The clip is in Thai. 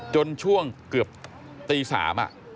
จนช่วงเกือบตี๓